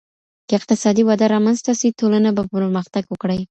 که اقتصادي وده رامنځته سي ټولنه به پرمختګ وکړي.